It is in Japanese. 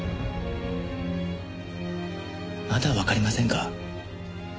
まだわかりませんか？